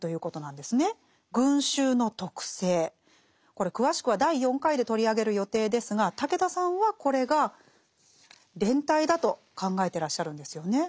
これ詳しくは第４回で取り上げる予定ですが武田さんはこれが「連帯」だと考えてらっしゃるんですよね。